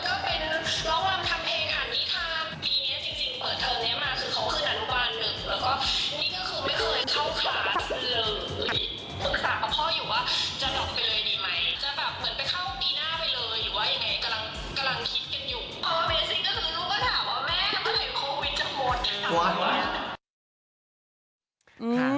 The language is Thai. จะแบบเหมือนไปเข้าปีหน้าไปเลยอยู่ว่าอย่างไงกำลังคิดกันอยู่